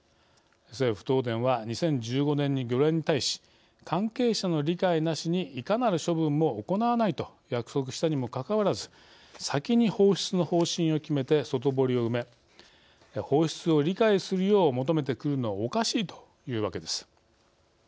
政府・東電は２０１５年に漁連に対し関係者の理解なしにいかなる処分も行わないと約束したにもかかわらず先に放出の方針を決めて外堀を埋め放出を理解するよう求めてくるのはおかしいというわけです。